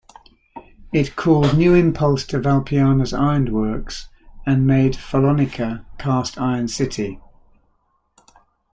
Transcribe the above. It called new impulse to Valpiana's ironworks and made Follonica cast iron city.